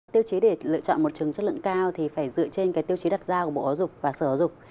tiêu chí để lựa chọn một trường chất lượng cao thì phải dựa trên tiêu chí đặt ra của bộ giáo dục và sở giáo dục